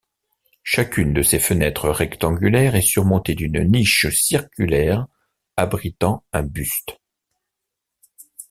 Chacune de ces fenêtres rectangulaires est surmontée d'une niche circulaire abritant un buste.